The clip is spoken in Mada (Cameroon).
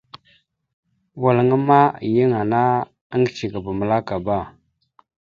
Walŋa ma, yan ana iŋgəcekaba məla agaba.